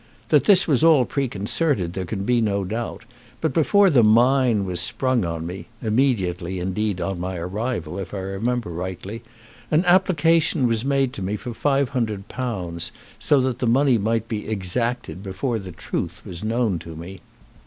That all this was preconcerted there can be no doubt, but, before the mine was sprung on me, immediately, indeed, on my arrival, if I remember rightly, an application was made to me for £500, so that the money might be exacted before the truth was known to me.